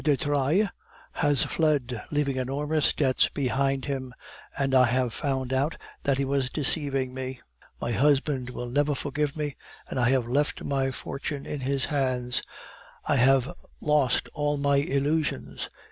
de Trailles has fled, leaving enormous debts behind him, and I have found out that he was deceiving me. My husband will never forgive me, and I have left my fortune in his hands. I have lost all my illusions.